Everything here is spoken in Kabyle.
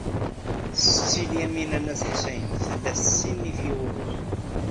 Setti Lyamina n At Ḥsayen tella tessinif i wuguren.